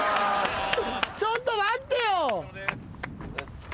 ちょっと待ってよ。